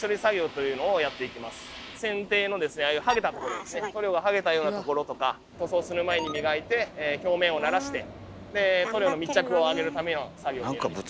船底のですねああいう塗料がはげたようなところとか塗装する前に磨いて表面をならして塗料の密着を上げるための作業になります。